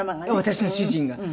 私の主人が。